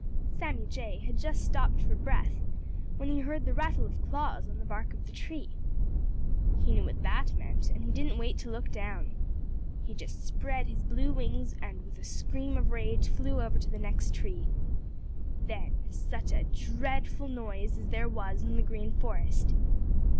Sammy Jay had just stopped for breath when he heard the rattle of claws on the bark of the tree. He knew what that meant, and he didn't wait to look down. He just spread his blue wings and with a scream of rage flew over to the next tree. Then such a dreadful noise as there was in the Green Forest!